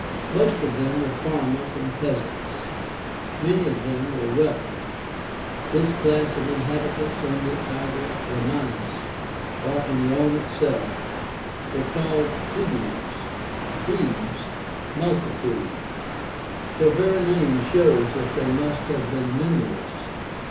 Most of them were farmers and peasants. Many of them were wealthy. This class of inhabitants on the ager Romanus, or in Rome itself, were called Plebeians (Plebs, multitude). Their very name shows that they must have been numerous.